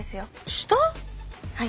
はい。